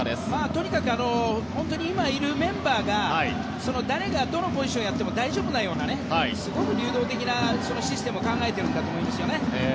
とにかく本当に今いるメンバーが誰がどのポジションをやっても大丈夫なような流動的なシステムを考えているんだと思いますね。